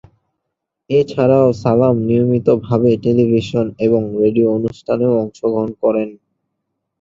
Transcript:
এ ছাড়াও সালাম নিয়মিত ভাবে টেলিভিশন এবং রেডিও অনুষ্ঠানেও অংশগ্রহণ করেন।